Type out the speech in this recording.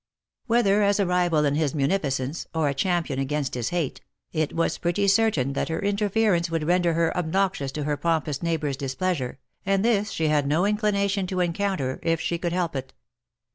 Whether as a rival in his munificence, or a champion against his hate, it was pretty certain that her interference would render her obnoxious to her pompous neighbour's displeasure, and this she had no inclination to encounter if she could help it.